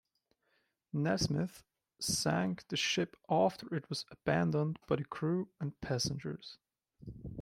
Nasmith sank the ship after it was abandoned by the crew and passengers.